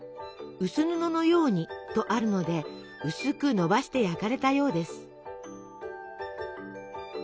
「薄布のように」とあるので薄くのばして焼かれたようです。